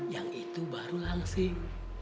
yang itu baru langsing